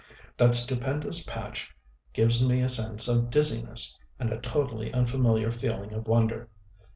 That stupendous pitch gives me a sense of dizziness, and a totally unfamiliar feeling of wonder.